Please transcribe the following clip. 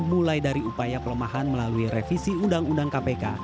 mulai dari upaya pelemahan melalui revisi undang undang kpk